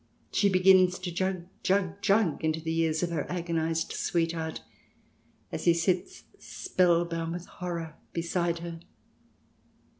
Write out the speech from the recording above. She begins to "Jug ! jug! jug !" into the ears of her agonized sweetheart as he sits, spellbound with horror, beside her.